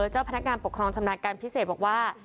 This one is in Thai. เจ้าพนักงานปกครองชำนาญการพิเศษบอกว่า